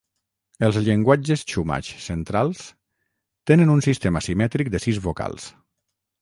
Els llenguatges Chumash centrals tenen un sistema simètric de sis vocals.